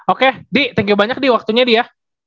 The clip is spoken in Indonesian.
oke di thank you banyak di waktunya di ya